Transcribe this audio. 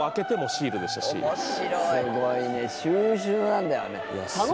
すごいね収集なんだよね。